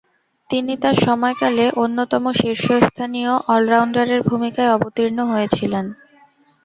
তিনি তার সময়কালে অন্যতম শীর্ষস্থানীয় অল-রাউন্ডারের ভূমিকায় অবতীর্ণ হয়েছিলেন।